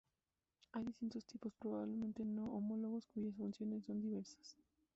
Hay distintos tipos, probablemente no homólogos, cuyas funciones son diversas.